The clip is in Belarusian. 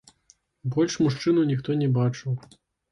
Больш мужчыну ніхто не бачыў.